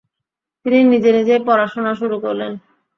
তিনি নিজে নিজেই পড়াশোনা শুরু করলেন।